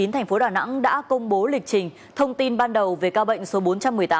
thành phố đà nẵng đã công bố lịch trình thông tin ban đầu về ca bệnh số bốn trăm một mươi tám